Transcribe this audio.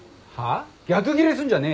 逆ギレすんじゃねえよ。